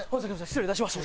失礼いたしました。